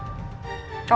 ya gak apa apa kok